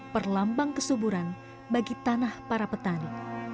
perlambang kesuburan bagi tanah para petani